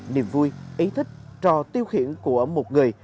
niềm vui ý thích trò tiêu khiển của một người